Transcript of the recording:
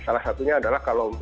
salah satunya adalah kalau